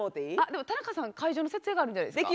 でもタナカさんは会場の設営があるんじゃないですか？